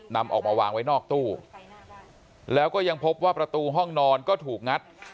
นำออกมาวางไว้นอกตู้แล้วก็ยังพบว่าประตูห้องนอนก็ถูกงัด